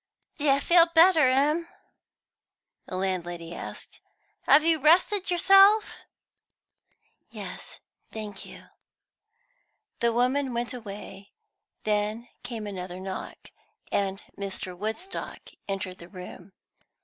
"Do you feel better, 'm?" the landlady asked. "Have you rested yourself?" "Yes, thank you." The woman went away; then came another knock, and Mr. Woodstock entered the room.